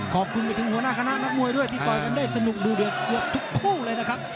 ขอบคุณไปถึงหัวหน้าคณะนักมวยด้วยที่ต่อยกันได้สนุกดูเดือดเกือบทุกคู่เลยนะครับ